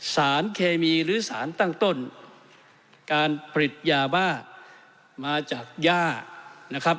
สารเคมีหรือสารตั้งต้นการผลิตยาบ้ามาจากย่านะครับ